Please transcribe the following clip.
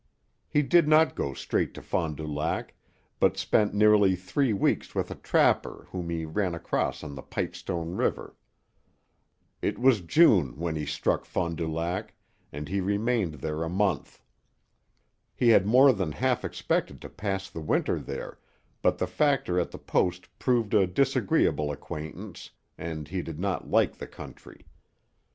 He did not go straight to Fond du Lac, but spent nearly three weeks with a trapper whom he ran across on the Pipestone River. It was June when he struck Fond du Lac, and he remained there a month. He had more than half expected to pass the winter there, but the factor at the post proved a disagreeable acquaintance, and he did not like the country.